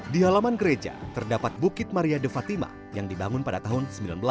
di halaman gereja terdapat bukit maria de fatima yang dibangun pada tahun seribu sembilan ratus delapan puluh